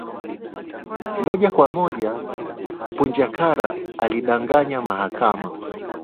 Moja kwa moja Punja Kara alidanganya mahakama